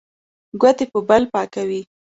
ګوتې په بل پاکوي.